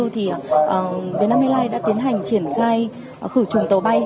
thì vietnam airlines đã tiến hành triển khai khử trùng tàu bay